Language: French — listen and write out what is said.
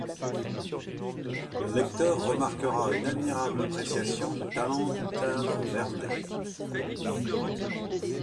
Le lecteur remarquera une admirable appréciation du talent du peintre Vernet.